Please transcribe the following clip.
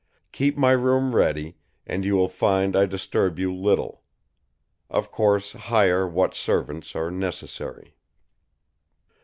Keep my room ready, and you will find I disturb you little. Of course, hire what servants are necessary.